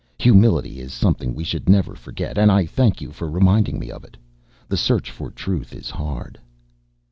Humility is something we should never forget and I thank you for reminding me of it. The search for Truth is hard."